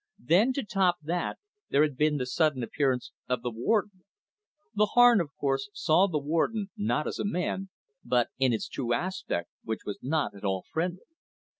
Then, to top that, there had been the sudden appearance of the Warden. The Harn, of course, saw the Warden not as a man, but in its true aspect, which was not at all friendly.